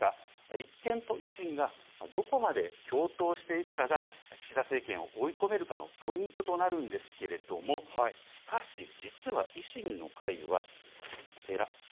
立憲と維新がどこまで共闘していくかが、岸田政権を追い込めるかのポイントとなるんですけれども、しかし実は、維新の会は、ぺらっ。